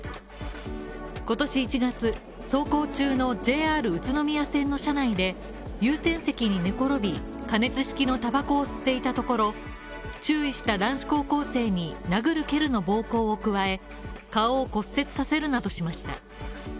今年１月、走行中のＪＲ宇都宮線の車内で優先席に寝転び、加熱式のたばこを吸っていたところ注意した男子高校生に殴る蹴るの暴行を加え顔を骨折させるなどしました。